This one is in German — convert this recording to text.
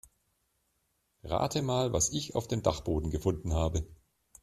Rate mal, was ich auf dem Dachboden gefunden habe.